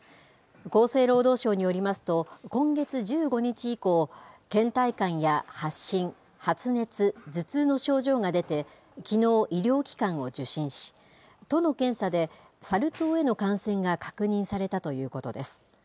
厚生労働省によりますと、今月１５日以降、けん怠感や発疹、発熱、頭痛の症状が出て、きのう医療機関を受診し、都の検査で、サル痘への感染が確認されたということです。